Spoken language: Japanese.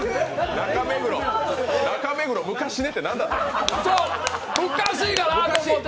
中目黒昔ねって何だったんだ。